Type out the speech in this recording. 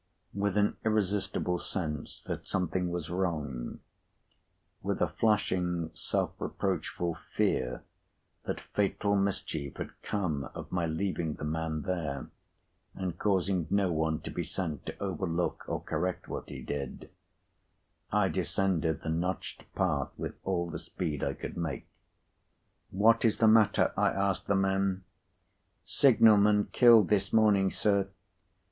With an irresistible sense that something was wrong—with a flashing self reproachful fear that fatal mischief had come of my leaving the man there, and causing no one to be sent to overlook or correct what he did—I descended the notched path with all the speed I could make. "What is the matter?" I asked the men. "Signal man killed this morning, sir."